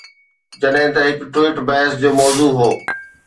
جڏهن ته هڪ ٽوئيٽ بحث جو موضوع هو.